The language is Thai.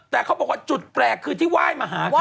แต่เขาบอกว่าจุดแปลกคือที่ไหว้มาหาเขา